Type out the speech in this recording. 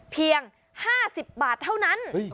เพียง๕๐บาทเท่านั้น